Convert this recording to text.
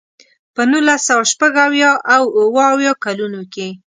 په نولس سوه شپږ اویا او اوه اویا کلونو کې.